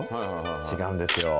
違うんですよ。